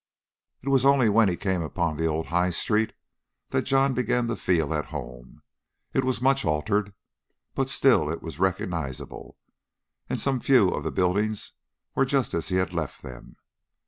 It was only when he came upon the old High Street that John began to feel at home. It was much altered, but still it was recognisable, and some few of the buildings were just as he had left them.